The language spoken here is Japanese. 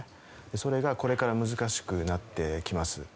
それがこれから難しくなってきます。